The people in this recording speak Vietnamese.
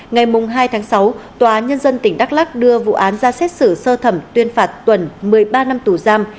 ngày hai tháng sáu tòa án nhân dân tỉnh đắk lắc đưa vụ án ra xét xử sơ thẩm tuyên phạt tuẩn một mươi ba năm tù giam